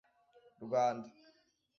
Rwanda